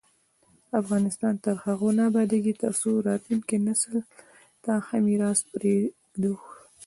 افغانستان تر هغو نه ابادیږي، ترڅو راتلونکي نسل ته ښه میراث پریږدو.